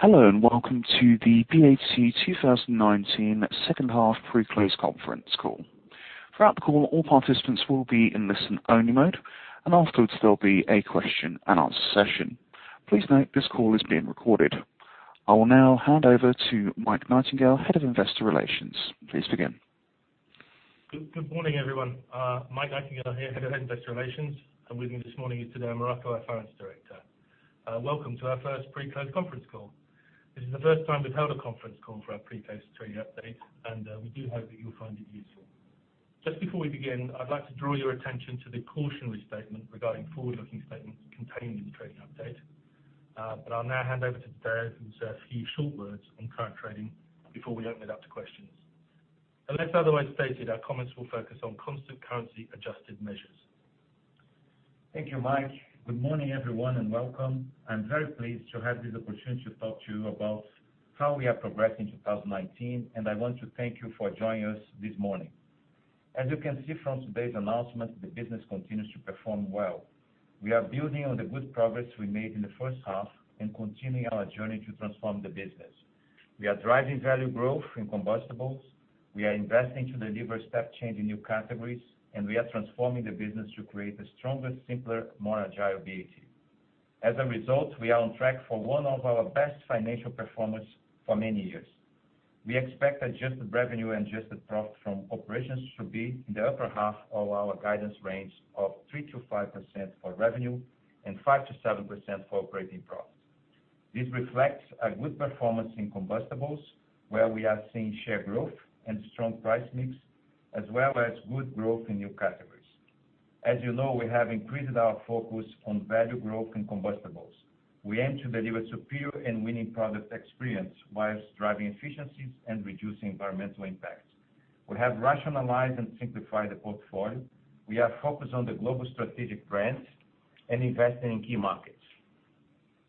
Hello, and welcome to the BAT 2019 second half pre-close conference call. Throughout the call, all participants will be in listen-only mode, and afterwards, there'll be a question and answer session. Please note this call is being recorded. I will now hand over to Mike Nightingale, Head of Investor Relations. Please begin. Good morning, everyone. Mike Nightingale here, Head of Investor Relations, and with me this morning is Tadeu Marroco, our Finance Director. Welcome to our first pre-close conference call. This is the first time we've held a conference call for our pre-close trading update, and we do hope that you'll find it useful. Just before we begin, I'd like to draw your attention to the cautionary statement regarding forward-looking statements contained in the trading update. I'll now hand over to Tadeu, who'll say a few short words on current trading before we open it up to questions. Unless otherwise stated, our comments will focus on constant currency adjusted measures. Thank you, Mike. Good morning, everyone, and welcome. I'm very pleased to have this opportunity to talk to you about how we are progressing 2019, and I want to thank you for joining us this morning. As you can see from today's announcement, the business continues to perform well. We are building on the good progress we made in the first half and continuing our journey to transform the business. We are driving value growth in combustibles, we are investing to deliver step change in new categories, and we are transforming the business to create a stronger, simpler, more agile BAT. As a result, we are on track for one of our best financial performance for many years. We expect adjusted revenue and adjusted profit from operations to be in the upper half of our guidance range of 3%-5% for revenue and 5%-7% for operating profit. This reflects a good performance in combustibles, where we are seeing share growth and strong price mix, as well as good growth in new categories. As you know, we have increased our focus on value growth and combustibles. We aim to deliver superior and winning product experience while driving efficiencies and reducing environmental impact. We have rationalized and simplified the portfolio. We are focused on the global strategic brands and investing in key markets.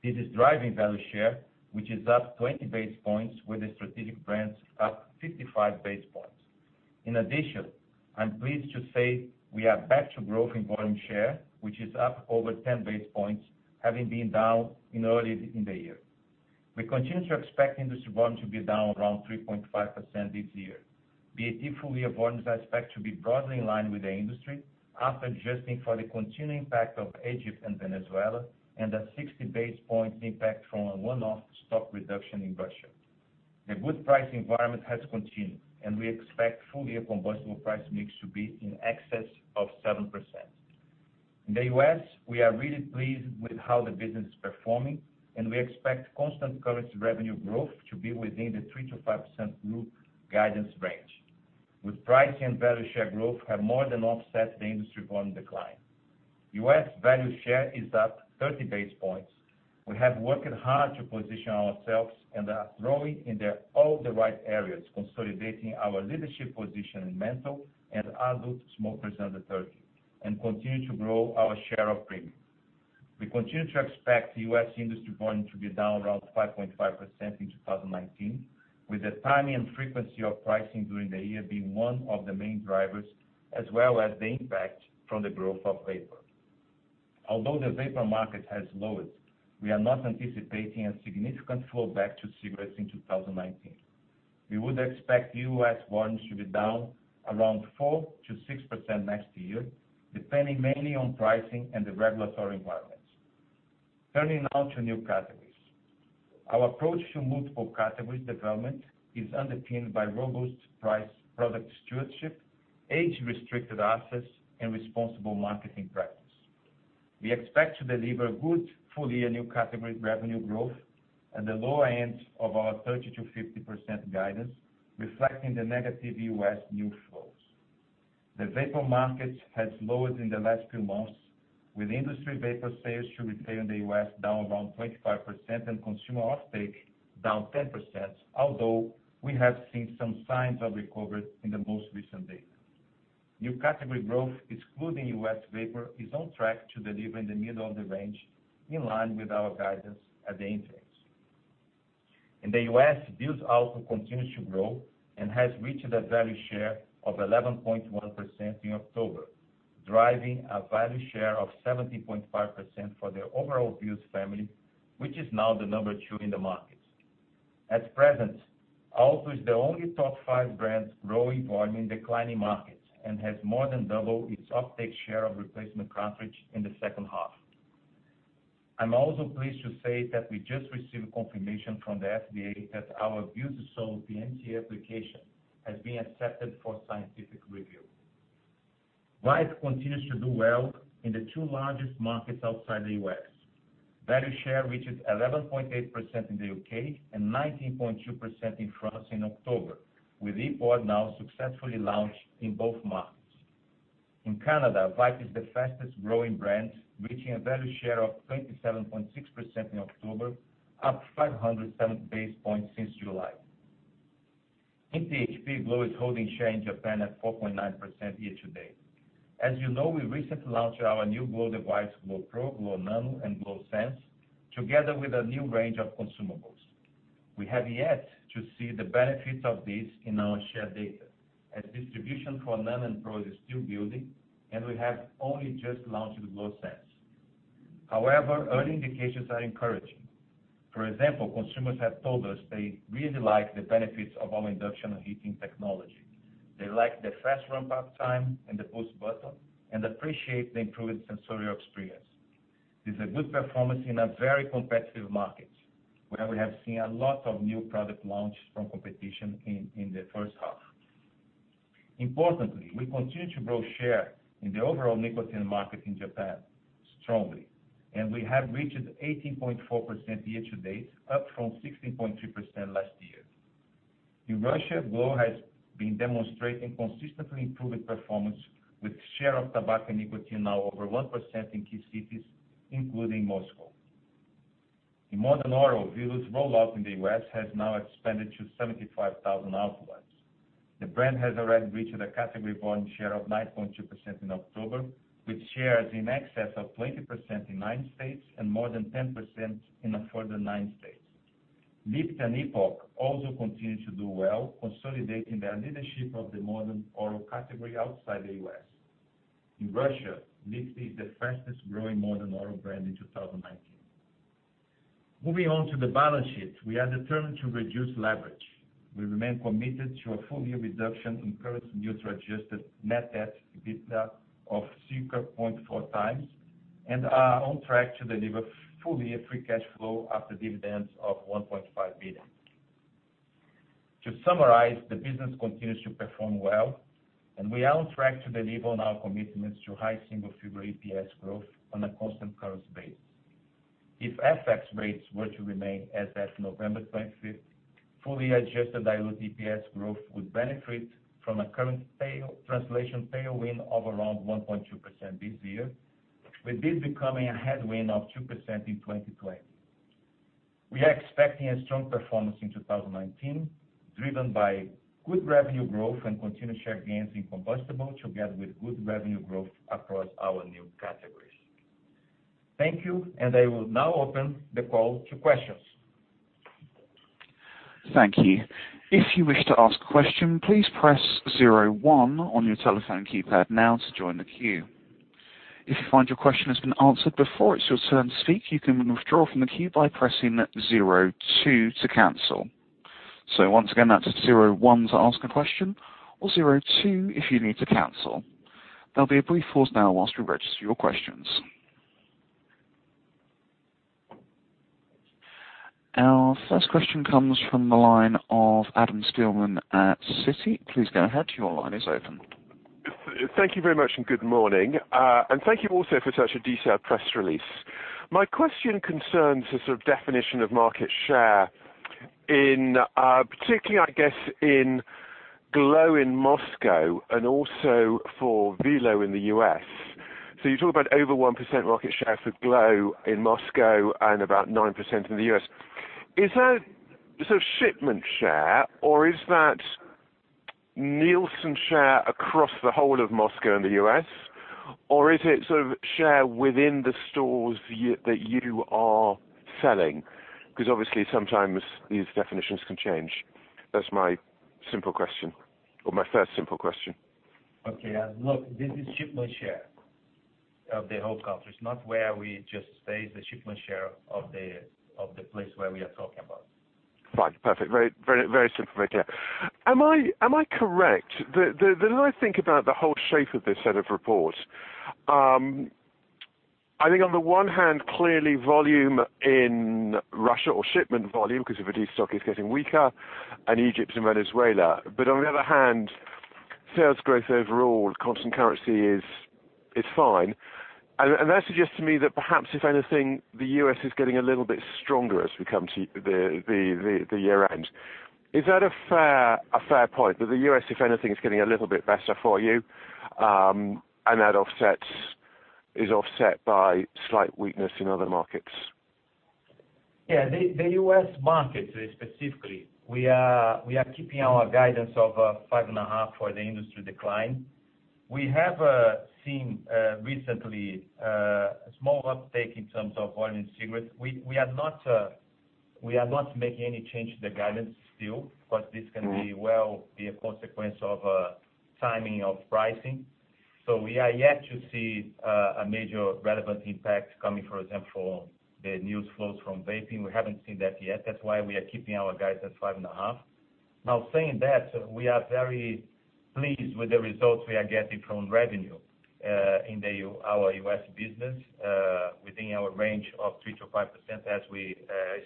This is driving value share, which is up 20 base points with the strategic brands up 55 base points. In addition, I'm pleased to say we are back to growth in volume share, which is up over 10 base points, having been down in earlier in the year. We continue to expect industry volume to be down around 3.5% this year. BAT full-year volumes are expected to be broadly in line with the industry after adjusting for the continuing impact of Egypt and Venezuela and a 60 base point impact from a one-off stock reduction in Russia. The good price environment has continued, and we expect full-year combustible price mix to be in excess of 7%. In the U.S., we are really pleased with how the business is performing, and we expect constant currency revenue growth to be within the 3%-5% group guidance range, with pricing and value share growth have more than offset the industry volume decline. U.S. value share is up 30 base points. We have worked hard to position ourselves and are growing in all the right areas, consolidating our leadership position in menthol and adult smokers under 30, and continue to grow our share of premium. We continue to expect the U.S. industry volume to be down around 5.5% in 2019, with the timing and frequency of pricing during the year being one of the main drivers, as well as the impact from the growth of vapor. Although the vapor market has lowered, we are not anticipating a significant flowback to cigarettes in 2019. We would expect U.S. volumes to be down around 4%-6% next year, depending mainly on pricing and the regulatory environment. Turning now to new categories. Our approach to multiple categories development is underpinned by robust price product stewardship, age-restricted access, and responsible marketing practice. We expect to deliver good full-year new category revenue growth at the lower end of our 30%-50% guidance, reflecting the negative U.S. net flows. The vapor market has lowered in the last few months, with industry vapor sales to retail in the U.S. down around 25% and consumer off-take down 10%, although we have seen some signs of recovery in the most recent data. New category growth, excluding U.S. vapor, is on track to deliver in the middle of the range, in line with our guidance at the interims. In the U.S., Vuse Alto continues to grow and has reached a value share of 11.1% in October, driving a value share of 70.5% for the overall Vuse family, which is now the number two in the market. At present, Alto is the only top five brand growing volume in declining markets and has more than doubled its off-take share of replacement cartridge in the second half. I'm also pleased to say that we just received confirmation from the FDA that our Vuse Solo PMTA application has been accepted for scientific review. Vype continues to do well in the two largest markets outside the U.S. Value share reached 11.8% in the U.K. and 19.2% in France in October, with ePod now successfully launched in both markets. In Canada, Vype is the fastest growing brand, reaching a value share of 27.6% in October, up 507 base points since July. In THP, glo is holding share in Japan at 4.9% year to date. As you know, we recently launched our new glo devices, glo pro, glo nano, and glo sens, together with a new range of consumables. We have yet to see the benefits of this in our shared data, as distribution for nano and pro is still building, and we have only just launched glo sens. However, early indications are encouraging. For example, consumers have told us they really like the benefits of our induction heating technology. They like the fast ramp-up time and the push button and appreciate the improved sensory experience. This is a good performance in a very competitive market, where we have seen a lot of new product launches from competition in the first half. Importantly, we continue to grow share in the overall nicotine market in Japan strongly, and we have reached 18.4% year-to-date, up from 16.3% last year. In Russia, glo has been demonstrating consistently improving performance, with share of tobacco nicotine now over 1% in key cities, including Moscow. In modern oral, Velo's rollout in the U.S. has now expanded to 75,000 outlets. The brand has already reached a category volume share of 9.2% in October, with shares in excess of 20% in nine states and more than 10% in a further nine states. Lyft and Epok also continue to do well, consolidating their leadership of the modern oral category outside the U.S. In Russia, Lyft is the fastest-growing modern oral brand in 2019. Moving on to the balance sheet, we are determined to reduce leverage. We remain committed to a full-year reduction in currency-neutral adjusted net debt to EBITDA of 0.4x and are on track to deliver fully a free cash flow after dividends of 1.5 billion. To summarize, the business continues to perform well, and we are on track to deliver on our commitments to high single-figure EPS growth on a constant currency basis. If FX rates were to remain as at November 25th, fully adjusted diluted EPS growth would benefit from a current translation tailwind of around 1.2% this year, with this becoming a headwind of 2% in 2020. We are expecting a strong performance in 2019, driven by good revenue growth and continued share gains in combustibles, together with good revenue growth across our new categories. Thank you. I will now open the call to questions. Thank you. If you wish to ask a question, please press zero one on your telephone keypad now to join the queue. If you find your question has been answered before, it's your turn to speak, you can withdraw from the queue by pressing zero two to cancel. Once again, that's zero one to ask a question or zero two if you need to cancel. There'll be a brief pause now while we register your questions. Our first question comes from the line of Adam Spielman at Citi. Please go ahead. Your line is open. Thank you very much, good morning. Thank you also for such a detailed press release. My question concerns the definition of market share, particularly, I guess, in glo in Moscow and also for Velo in the U.S. You talk about over 1% market share for glo in Moscow and about 9% in the U.S. Is that shipment share, or is that Nielsen share across the whole of Moscow and the U.S., or is it share within the stores that you are selling? Obviously, sometimes these definitions can change. That's my simple question, or my first simple question. Okay. Look, this is shipment share of the whole country. It's not where we just say the shipment share of the place where we are talking about. Right. Perfect. Very simple. Thank you. Am I correct that as I think about the whole shape of this set of reports, I think on the one hand, clearly volume in Russia or shipment volume, because of the destock, is getting weaker, and Egypt and Venezuela. On the other hand, sales growth overall, constant currency, is fine. That suggests to me that perhaps if anything, the U.S. is getting a little bit stronger as we come to the year-end. Is that a fair point, that the U.S., if anything, is getting a little bit better for you, and that is offset by slight weakness in other markets? The U.S. market specifically, we are keeping our guidance of 5.5% for the industry decline. We have seen recently a small uptake in terms of heated tobacco products. We are not making any change to the guidance still, but this can well be a consequence of timing of pricing. We are yet to see a major relevant impact coming, for example, the news flows from vaping. We haven't seen that yet. That's why we are keeping our guidance at 5.5%. Now, saying that, we are very pleased with the results we are getting from revenue in our U.S. business, within our range of 3%-5%, as we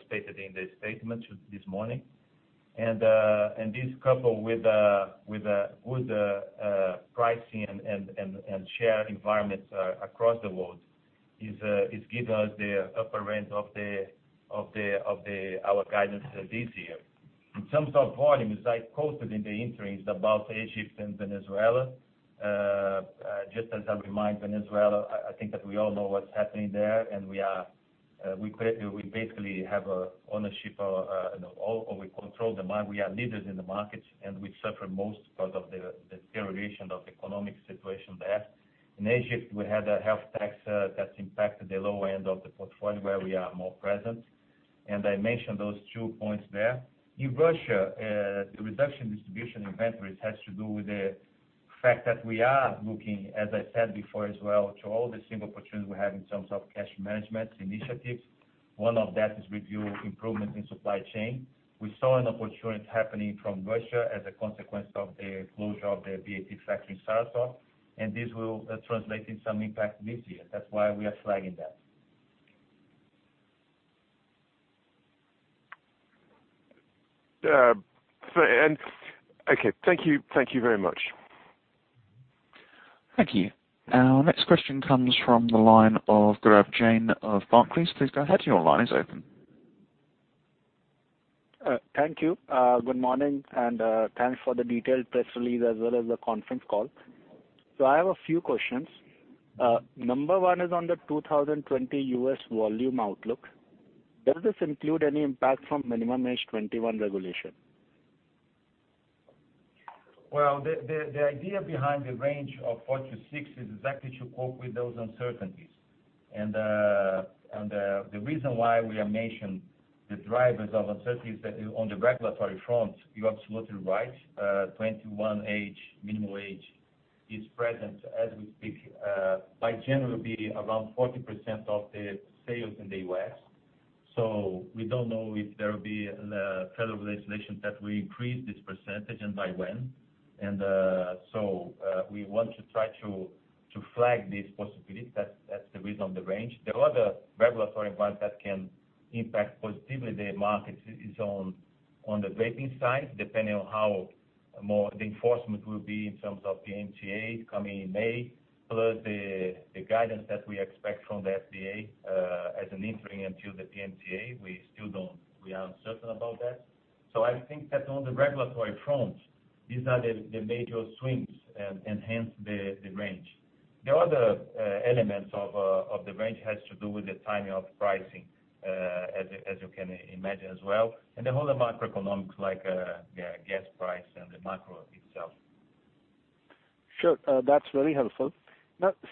stated in the statement this morning. This, coupled with good pricing and share environments across the world, is giving us the upper end of our guidance this year. In terms of volumes, I quoted in the interims about Egypt and Venezuela. Just as a reminder, Venezuela, I think that we all know what's happening there, and we basically have ownership, or we control the market. We are leaders in the market; we suffer most because of the deterioration of the economic situation there. In Egypt, we had a health tax that impacted the low end of the portfolio, where we are more present. I mentioned those two points there. In Russia, the reduction distribution in inventories has to do with the fact that we are looking, as I said before as well, to all the same opportunities we have in terms of cash management initiatives. One of that is review improvement in supply chain. We saw an opportunity happening from Russia as a consequence of the closure of the BAT factory in Saratov, and this will translate in some impact this year. That's why we are flagging that. Okay. Thank you very much. Thank you. Our next question comes from the line of Gaurav Jain of Barclays. Please go ahead. Your line is open. Thank you. Good morning, thanks for the detailed press release as well as the conference call. I have a few questions. Number one, is on the 2020 U.S. volume outlook. Does this include any impact from minimum age 21 regulation? Well, the idea behind the range of 4%-6% is exactly to cope with those uncertainties. The reason why we have mentioned the drivers of uncertainties that on the regulatory front, you're absolutely right. 21 age, minimum age is present as we speak. Generally, be around 40% of the sales in the U.S. We don't know if there will be federal legislation that will increase this percentage and by when. We want to try to flag these possibilities. That's the reason of the range. There are other regulatory environments that can impact positively the markets is on the vaping side, depending on how more the enforcement will be in terms of PMTA coming in May. Plus, the guidance that we expect from the FDA, as an interim until the PMTA, we are uncertain about that. I think that on the regulatory front, these are the major swings and hence the range. The other elements of the range has to do with the timing of pricing, as you can imagine as well, and the whole of macroeconomics like gas price and the macro itself. Sure. That's very helpful.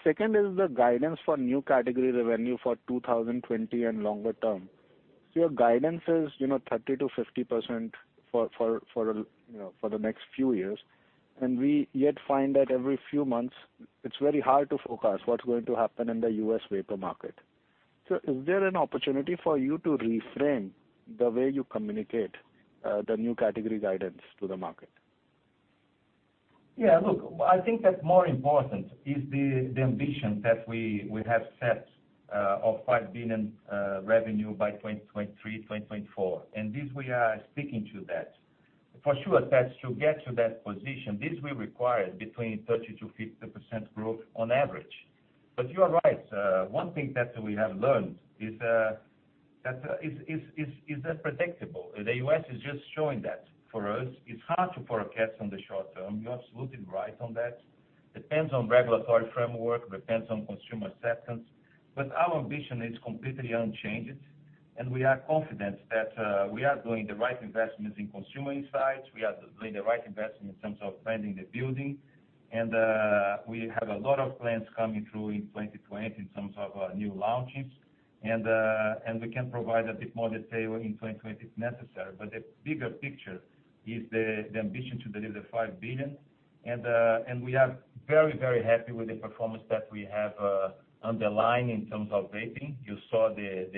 Second is the guidance for new category revenue for 2020 and longer term. Your guidance is 30%-50% for the next few years, and we yet find that every few months, it's very hard to forecast what's going to happen in the U.S. vapor market. Is there an opportunity for you to reframe the way you communicate the new category guidance to the market? Yeah, look, I think that more important is the ambition that we have set of $5 billion revenue by 2023, 2024. This, we are sticking to that. For sure, that to get to that position, this will require between 30%-50% growth on average. You are right. One thing that we have learned is that it's unpredictable. The U.S. is just showing that for us. It's hard to forecast on the short term. You're absolutely right on that. Depends on regulatory framework, depends on consumer acceptance, our ambition is completely unchanged; we are confident that we are doing the right investments in consumer insights. We are doing the right investment in terms of renting the building; we have a lot of plans coming through in 2020 in terms of new launches. We can provide a bit more detail in 2020 if necessary, but the bigger picture is the ambition to deliver the $5 billion. We are very happy with the performance that we have underlined in terms of vaping. You saw the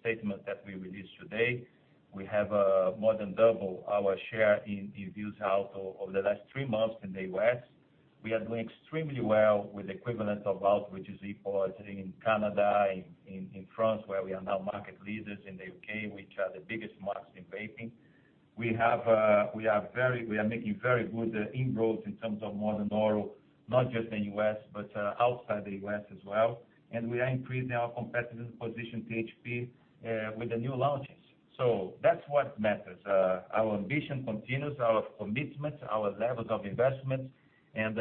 statement that we released today. We have more than doubled our share in Vuse Alto over the last three months in the U.S. We are doing extremely well with the equivalent of Alto, which is Vype, sitting in Canada, in France, where we are now market leaders, in the U.K., which are the biggest markets in vaping. We are making very good inroads in terms of modern oral, not just in U.S., but outside the U.S. as well. We are increasing our competitive position THP with the new launches. That's what matters. Our ambition continues, our commitment, our levels of investment, and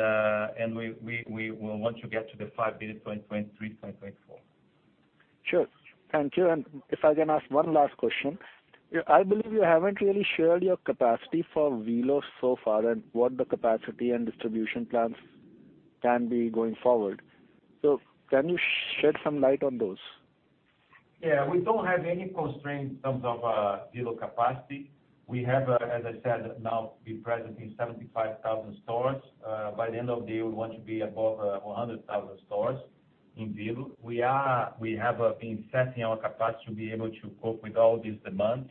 we want to get to the $5 billion 2023, 2024. Sure. Thank you. If I can ask one last question? I believe you haven't really shared your capacity for Velo so far, and what the capacity and distribution plans can be going forward. Can you shed some light on those? Yeah. We don't have any constraints in terms of Velo capacity. We have, as I said, now we present in 75,000 stores. By the end of the year, we want to be above 100,000 stores in Velo. We have been setting our capacity to be able to cope with all this demand,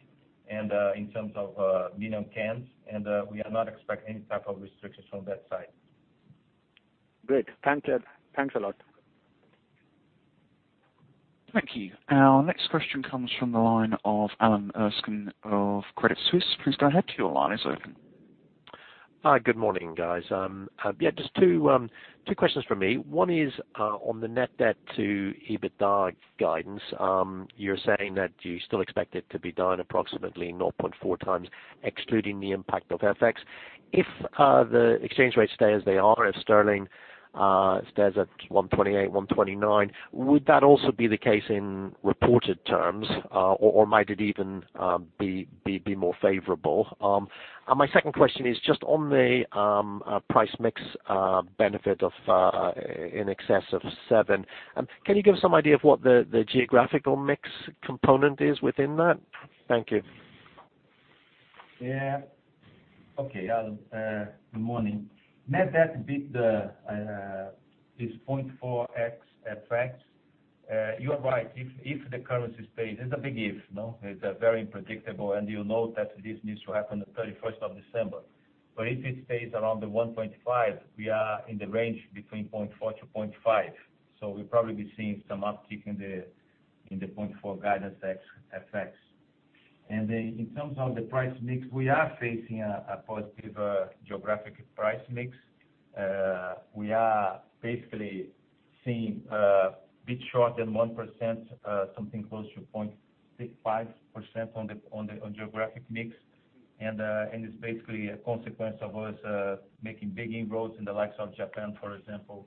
and in terms of minimum cans, and we are not expecting any type of restrictions from that side. Great. Thanks a lot. Thank you. Our next question comes from the line of Alan Erskine of Credit Suisse. Please go ahead. Your line is open. Hi. Good morning, guys. Just two questions from me. One is on the net debt to EBITDA guidance. You're saying that you still expect it to be down approximately 0.4x, excluding the impact of FX. If the exchange rates stay as they are, if sterling stays at 1.28, 1.29, would that also be the case in reported terms? Might it even be more favorable? My second question is just on the price mix benefit of in excess of 7%. Can you give us some idea of what the geographical mix component is within that? Thank you. Okay, Alan. Good morning. Net debt beat this 0.4x FX. You are right, if the currency stays, it's a big if, no? It's very unpredictable, you know that this needs to happen the 31st of December. If it stays around the 1.5, we are in the range between 0.4x-0.5x; we'll probably be seeing some uptick in the 0.4x guidance FX. In terms of the price mix, we are facing a positive geographic price mix. We are basically seeing a bit short than 1%, something close to 0.65% on the geographic mix. It's basically a consequence of us making big inroads in the likes of Japan, for example,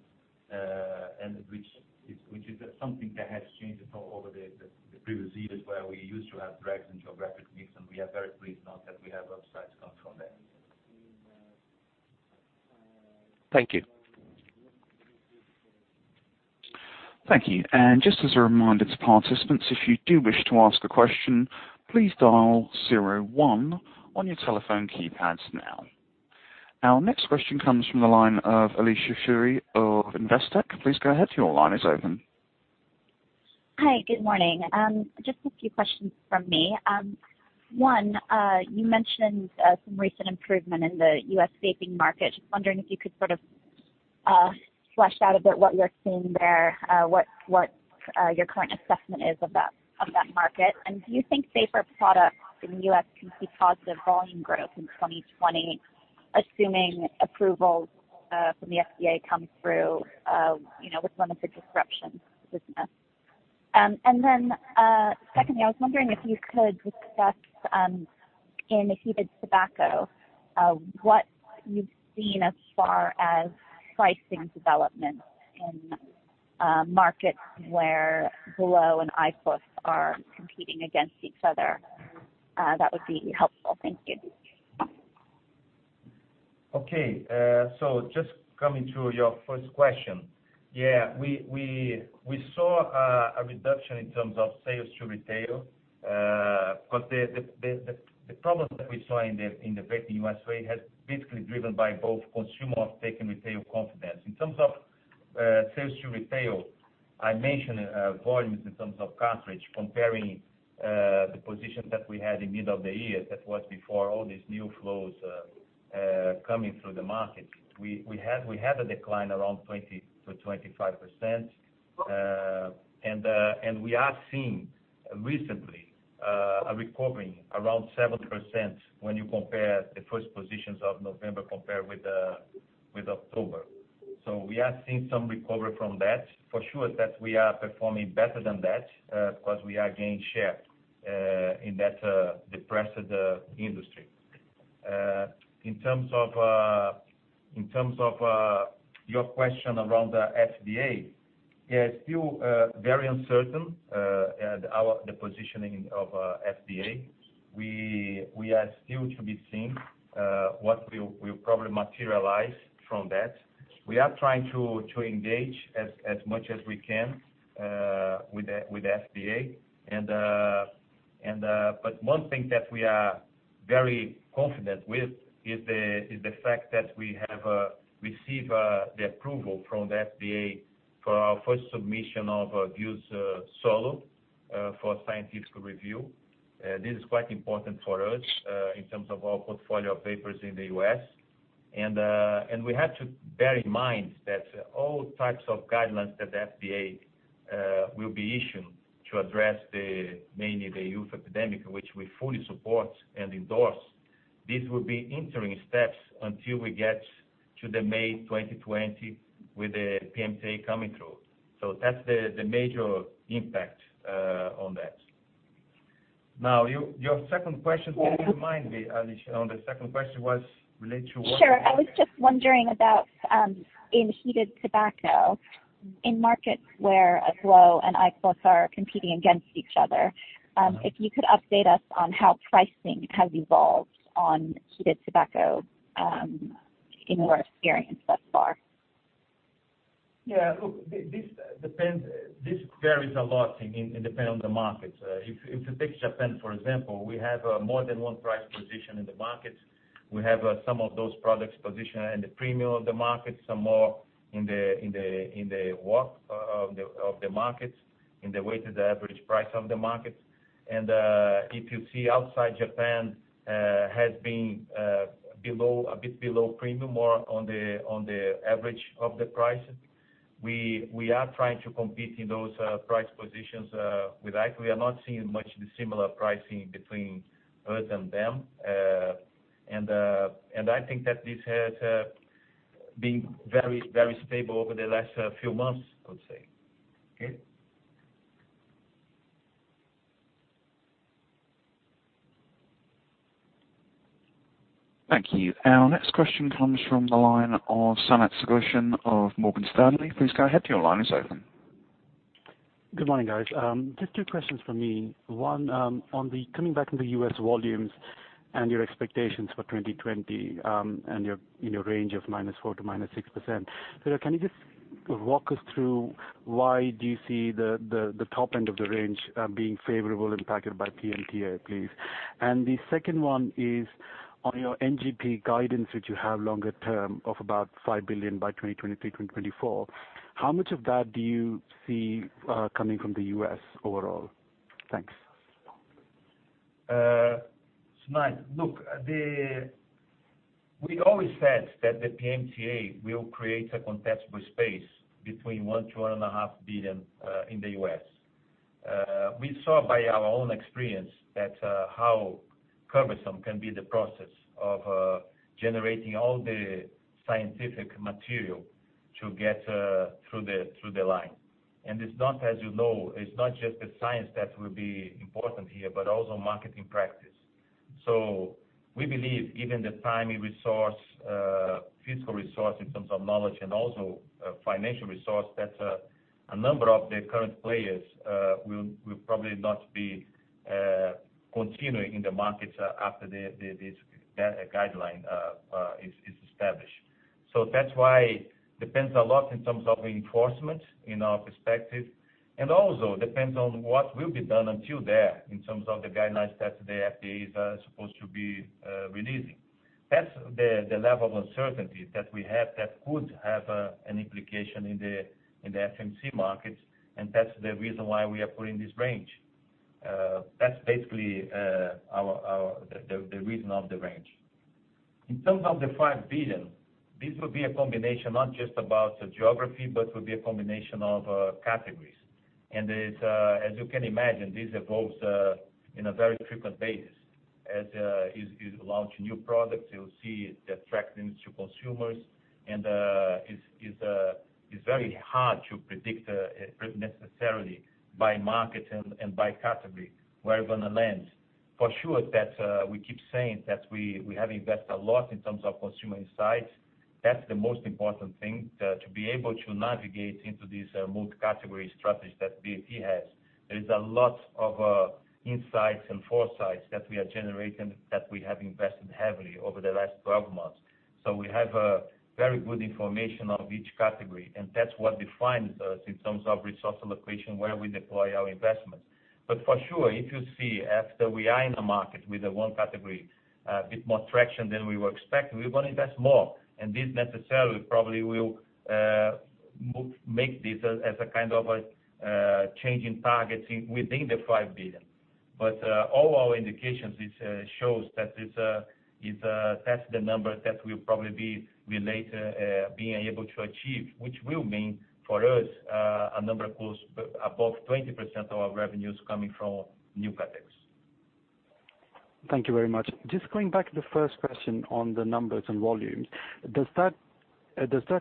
which is something that has changed over the previous years, where we used to have drags in geographic mix, we are very pleased now that we have upsides come from there. Thank you. Thank you. Just as a reminder to participants, if you do wish to ask a question, please dial zero one on your telephone keypads now. Our next question comes from the line of Alicia Forry of Investec. Please go ahead. Your line is open. Hi, good morning. Just a few questions from me. One, you mentioned some recent improvements in the U.S. vaping market. Just wondering if you could sort of flesh out a bit what you're seeing there, what your current assessment is of that market. Do you think safer products in the U.S. can see positive volume growth in 2020, assuming approvals from the FDA come through, with limited disruption to business? Secondly, I was wondering if you could discuss, in heated tobacco, what you've seen as far as pricing developments in markets where glo and IQOS are competing against each other. That would be helpful. Thank you. Okay. Just coming to your first question. Yeah, we saw a reduction in terms of sales to retail. The problem that we saw in the vaping U.S., way has basically driven by both consumer uptake and retail confidence. In terms of sales to retail, I mentioned volumes in terms of cartridge, comparing the position that we had in middle of the year, that was before all these new flows coming through the market. We had a decline around 20%-25%, and we are seeing recently a recovering around 7% when you compare the first positions of November compared with October. We are seeing some recovery from that. For sure that we are performing better than that, because we are gaining share in that depressed industry. In terms of your question around the FDA, yeah, it's still very uncertain, the positioning of FDA. We are still to be seen what will probably materialize from that. We are trying to engage as much as we can with the FDA. One thing that we are very confident with is the fact that we have received the approval from the FDA for our first submission of Vuse Solo for scientific review. This is quite important for us in terms of our portfolio of papers in the U.S. We have to bear in mind that all types of guidelines that FDA will be issuing to address mainly the youth epidemic, which we fully support and endorse, this will be interim steps until we get to the May 2020 with the PMTA coming through. That's the major impact on that. Now, your second question, can you remind me, Alicia, on the second question was related to what? Sure. I was just wondering about in heated tobacco, in markets where glo and IQOS are competing against each other, if you could update us on how pricing has evolved on heated tobacco in your experience thus far? Yeah, look, this varies a lot. It depends on the markets. If you take Japan, for example, we have more than one price position in the markets. We have some of those products positioned in the premium of the markets, some more in the WAP of the markets, in the weighted average price of the markets. If you see outside Japan, has been a bit below premium, more on the average of the prices. We are trying to compete in those price positions with IQOS. We are not seeing much of the similar pricing between us and them. I think that this has been very stable over the last few months, I would say. Okay. Thank you. Our next question comes from the line of Sanath Sudarsan of Morgan Stanley. Please go ahead. Your line is open. Good morning, guys. Just two questions from me. One, on the coming back into U.S. volumes and your expectations for 2020, in your range of -4% to -6%. Tadeu, can you just walk us through why you see the top end of the range being favorably impacted by PMTA, please? The second one is on your NGP guidance, which you have longer term of about $5 billion by 2023, 2024. How much of that do you see coming from the U.S. overall? Thanks. Sanath, look, we always said that the PMTA will create a contestable space between 1 billion-1.5 billion in the U.S. We saw by our own experience how cumbersome can be the process of generating all the scientific material to get through the line. As you know, it's not just the science that will be important here, but also marketing practice. We believe, given the time resource, physical resource in terms of knowledge, and also financial resource, that a number of the current players will probably not be continuing in the markets after this guideline is established. That's why it depends a lot in terms of enforcement, in our perspective, and also depends on what will be done until then in terms of the guidelines that the FDA is supposed to be releasing. That's the level of uncertainty that we have that could have an implication in the FMC markets, and that's the reason why we are putting this range. That's basically the reason of the range. In terms of the $5 billion, this will be a combination, not just about the geography, but will be a combination of categories. And as you can imagine, this evolves in a very frequent basis. As you launch new products, you'll see the attraction to consumers, and it's very hard to predict necessarily by market and by category where we're going to land. For sure, we keep saying that we have invested a lot in terms of consumer insights. That's the most important thing, to be able to navigate into this multi-category strategy that BAT has. There is a lot of insight and foresight that we are generating that we have invested heavily over the last 12 months. We have very good information of each category, and that's what defines us in terms of resource allocation, where we deploy our investments. For sure, if you see after we are in a market with the one category, a bit more traction than we were expecting, we will invest more. This necessarily probably will make this as a kind of a change in targeting within the $5 billion. All our indications it shows that that's the number that we'll probably be later being able to achieve, which will mean, for us, a number close above 20% of our revenues coming from new categories. Thank you very much. Just going back to the first question on the numbers and volumes. Does that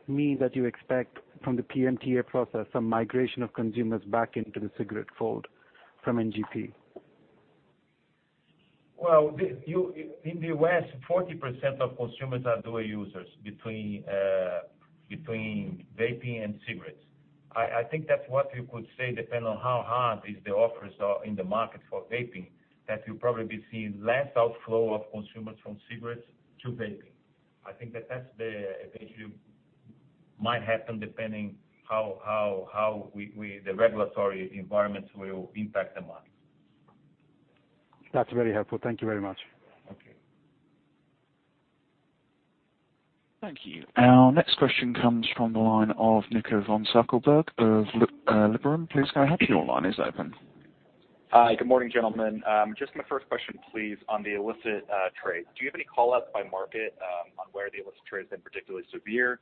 mean that you expect from the PMTA process some migration of consumers back into the cigarette fold from NGP? Well, in the U.S., 40% of consumers are dual users between vaping and cigarettes. I think that's what you could say, depending on how hard is the offers are in the market for vaping, that you'll probably be seeing less outflow of consumers from cigarettes to vaping. I think that that's the event that might happen depending how the regulatory environment will impact the market. That's very helpful. Thank you very much. Okay. Thank you. Our next question comes from the line of Nico von Stackelberg of Liberum. Please go ahead. Your line is open. Hi. Good morning, gentlemen. Just my first question, please, on the illicit trade. Do you have any call-outs by market on where the illicit trade has been particularly severe?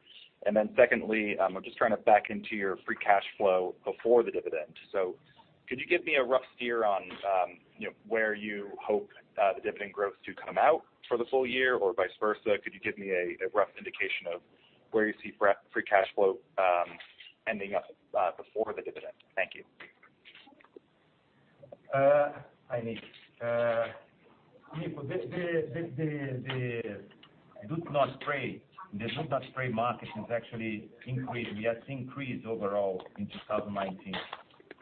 Then secondly, I'm just trying to back into your free cash flow before the dividend. Could you give me a rough steer on where you hope the dividend growth to come out for the full year, or vice versa? Could you give me a rough indication of where you see free cash flow ending up before the dividend? Thank you. Hi, Nico. Nico, the duty not paid market has actually increased. We have seen increase overall in 2019,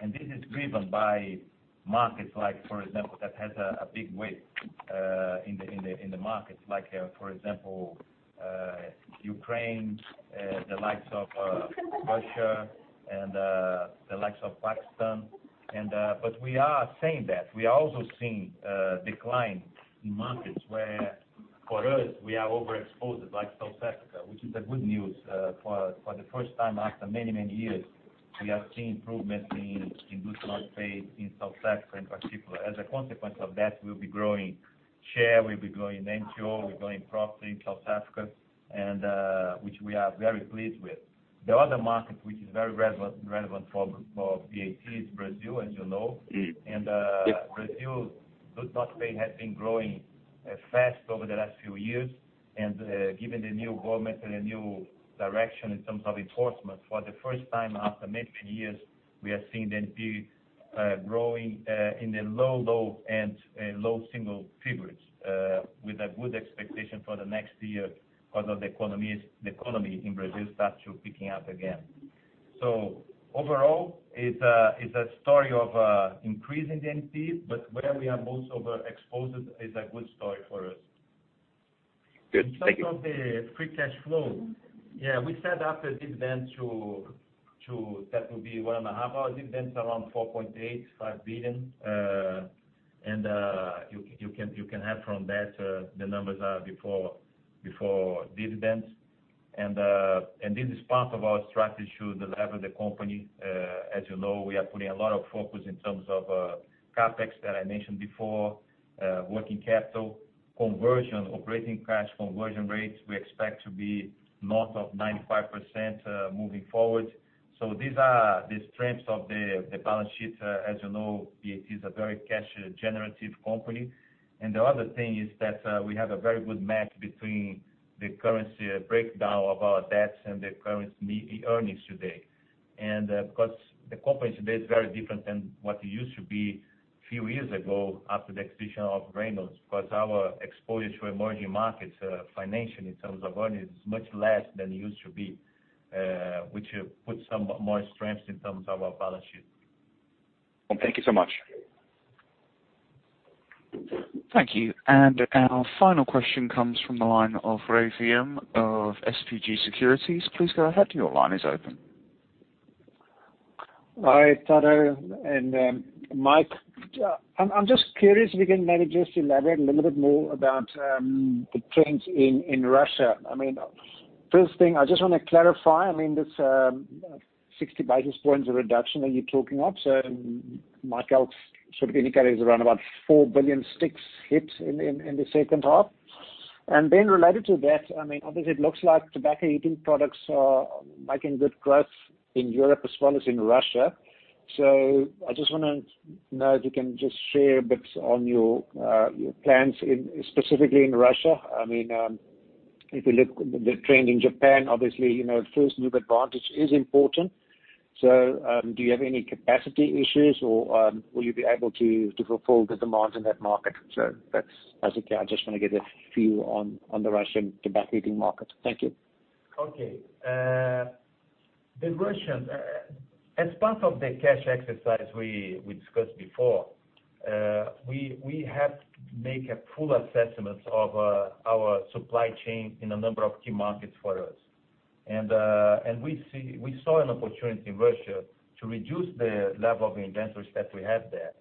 and this is driven by markets, for example, that has a big weight in the market, for example, Ukraine, the likes of Russia, and the likes of Pakistan. We are saying that. We are also seeing a decline in markets where, for us, we are overexposed, like South Africa, which is a good news. For the first time after many, many years, we are seeing improvement in duty not paid in South Africa, in particular. As a consequence of that, we'll be growing share, we'll be growing NTO, we're growing profit in South Africa, and which we are very pleased with. The other market, which is very relevant for BAT, is Brazil, as you know. Mm-hmm. Yep. Brazil's duty not paid has been growing fast over the last few years. Given the new government and a new direction in terms of enforcement, for the first time after many, many years, we are seeing NGP growing in the low end, low single figures, with a good expectation for the next year because the economy in Brazil starts to picking up again. Overall, it's a story of increase in density, but where we are most overexposed is a good story for us. Good. Thank you. In terms of the free cash flow, yeah, we set up a dividend that will be 1.5x our dividends around 4.85 billion. You can have from that, the numbers are before dividends. This is part of our strategy to delever the company. As you know, we are putting a lot of focus in terms of CapEx that I mentioned before, working capital conversion, operating cash conversion rates; we expect to be north of 95% moving forward. These are the strengths of the balance sheet. As you know, BAT is a very cash generative company. The other thing is that we have a very good match between the currency breakdown of our debts and the currency earnings today. Because the company today is very different than what it used to be a few years ago after the acquisition of Reynolds, because our exposure to emerging markets, financially, in terms of earnings, is much less than it used to be, which put some more strengths in terms of our balance sheet. Thank you so much. Thank you. Our final question comes from the line of Rey Wium of SBG Securities. Please go ahead. Your line is open. Hi, Tadeu and Mike. I'm just curious if you can maybe just elaborate a little bit more about the trends in Russia. First thing, I just want to clarify, this 60 basis points of reduction that you're talking of, so Mike sort of indicated is around about 4 billion sticks hits in the second half. Related to that, obviously, it looks like tobacco heating products are making good growth in Europe as well as in Russia. I just want to know if you can just share a bit on your plans, specifically in Russia. If we look at the trend in Japan, obviously, first-move advantage is important. Do you have any capacity issues or will you be able to fulfill the demand in that market? That's basically, I just want to get a feel on the Russian tobacco heating market. Thank you. Okay. The Russians, as part of the cash exercise we discussed before, we have to make a full assessment of our supply chain in a number of key markets for us. We saw an opportunity in Russia to reduce the level of inventories that we had there,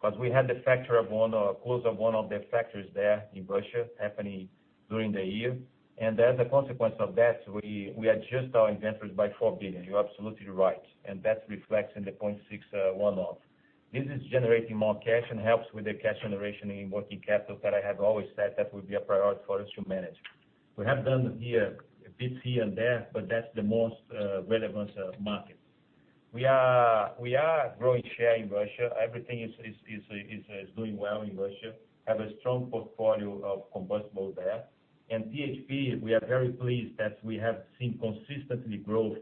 because we had the factory closure of one of the factories there in Russia happening during the year. As a consequence of that, we adjusted our inventories by 4 billion. You're absolutely right. That reflects in the 0.6 billion one-off. This is generating more cash and helps with the cash generation in working capital that I have always said that would be a priority for us to manage. We have done a bit here and there, but that's the most relevant market. We are growing share in Russia. Everything is doing well in Russia. Have a strong portfolio of combustible there. THP, we are very pleased that we have seen consistently growth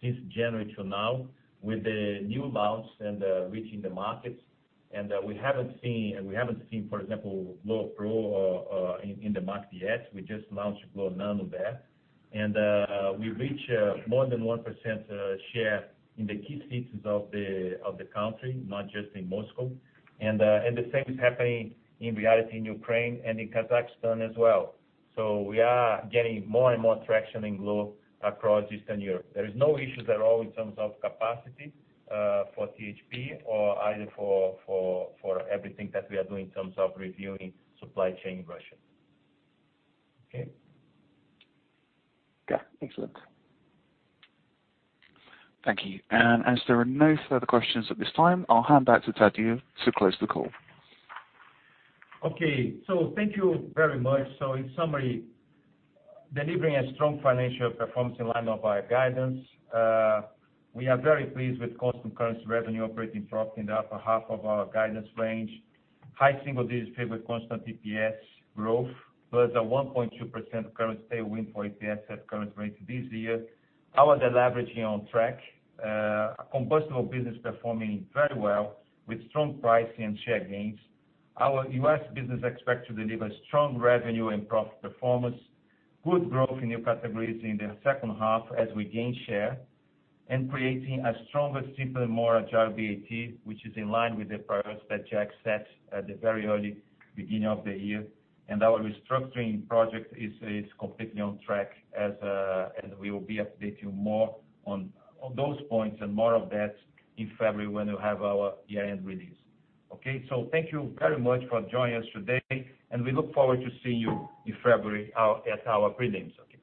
since January to now, with the new launch and reaching the markets. We haven't seen, for example, glo pro in the market yet. We just launched glo nano there. We reach more than 1% share in the key cities of the country, not just in Moscow. The same is happening in reality in Ukraine and in Kazakhstan as well. We are getting more and more traction in glo across Eastern Europe. There is no issues at all in terms of capacity for THP or either for everything that we are doing in terms of reviewing supply chain in Russia. Okay? Yeah. Excellent. Thank you. As there are no further questions at this time, I'll hand back to Tadeu to close the call. Okay. Thank you very much. In summary, delivering a strong financial performance in line with our guidance. We are very pleased with constant currency revenue operating profit in the upper half of our guidance range. High single-digit favorable constant EPS grow, th, plus a 1.2% currency tailwind for EPS at current rates this year. Our deleveraging on track. Our combustible business performing very well with strong pricing and share gains. Our U.S. business expects to deliver strong revenue and profit performance, good growth in new categories in the second half as we gain share, and creating a stronger, simpler, more agile BAT, which is in line with the priorities that Jack set at the very early beginning of the year. Our restructuring project is completely on track, as we will be updating more on those points and more of that in February when we have our year-end release. Okay. Thank you very much for joining us today, and we look forward to seeing you in February at our prelims. Okay.